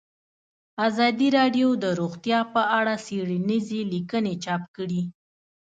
ازادي راډیو د روغتیا په اړه څېړنیزې لیکنې چاپ کړي.